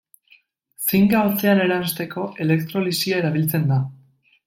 Zinka hotzean eransteko, elektrolisia erabiltzen da.